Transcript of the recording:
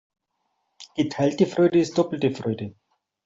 Geteilte Freude ist doppelte Freude.